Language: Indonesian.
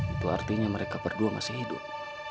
itu artinya mereka berdua masih hidup